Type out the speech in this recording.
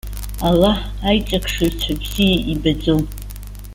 Аллаҳ аиҿакшаҩцәа бзиа ибаӡом.